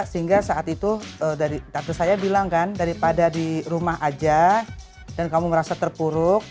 sehingga saat itu dari waktu saya bilang kan daripada di rumah aja dan kamu merasa terpuruk